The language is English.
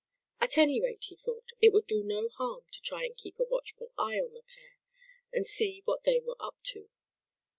At any rate, he thought, it would do no harm to try and keep a watchful eye on the pair, and see what they were up to.